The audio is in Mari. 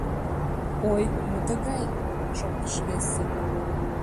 — Ой, мо тыгай! — шоктыш весе.